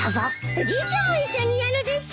おじいちゃんも一緒にやるです。